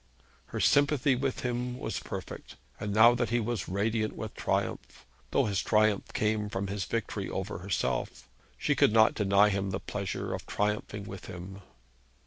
Her sympathy with him was perfect; and now that he was radiant with triumph, though his triumph came from his victory over herself, she could not deny him the pleasure of triumphing with him.